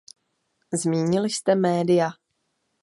Zmínil jste média.